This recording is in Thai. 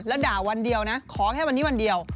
แล้วด่าวันเดียวนะขอแค่วันนี้วันเดียว